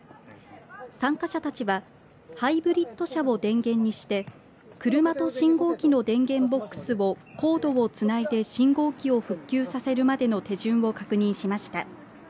参加者たちはハイブリッド車を電源にして車と信号機の電源ボックスをコードをつないで信号機を復旧させるまでの手順を確認しました。